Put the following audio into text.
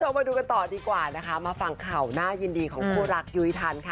มาดูกันต่อดีกว่านะคะมาฟังข่าวน่ายินดีของคู่รักยุ้ยทันค่ะ